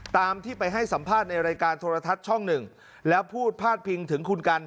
ตามที่ไปให้สัมภาษณ์ในรายการโทรทัศน์ช่องหนึ่งแล้วพูดพาดพิงถึงคุณกัน